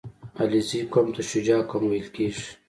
• علیزي قوم ته شجاع قوم ویل کېږي.